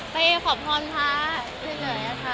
ไปขอบพรพระเฉยเหนื่อยค่ะ